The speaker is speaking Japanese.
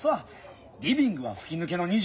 リビングは吹き抜けの２０畳。